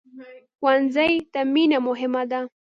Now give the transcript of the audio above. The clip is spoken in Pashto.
ښوونځی ته مینه مهمه ده